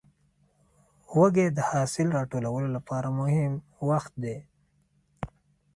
وږی د حاصل راټولو لپاره مهم وخت دی.